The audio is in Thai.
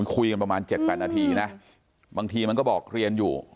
คุยกันประมาณ๗๘นาทีนะบางทีมันก็บอกเรียนอยู่